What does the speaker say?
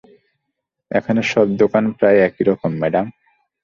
এখানে সব দোকান প্রায় একইরকম, ম্যাডাম।